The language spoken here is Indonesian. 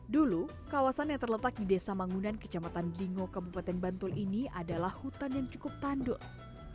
dulu kawasan yang terletak di desa mangunan kecamatan jlingo kabupaten bantul ini adalah hutan yang cukup tandus